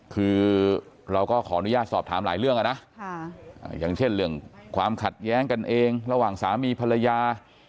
คือเราก็ขออนุญาตสอบถามหลายเรื่องนะอย่างเช่นเรื่องความขัดแย้งกันเองระหว่างสามีภรรยา